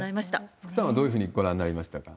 福さんはどういうふうにご覧になりましたか？